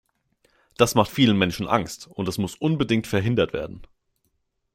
Das macht vielen Menschen Angst, und es muss unbedingt verhindert werden.